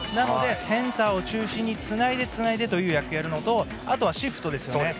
センターを中心につないでつないでという野球をやるのとあとはシフトですね。